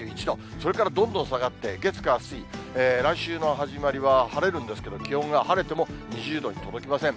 それからどんどん下がって、月、火、水、来週の始まりは晴れるんですけれども、気温が晴れても２０度に届きません。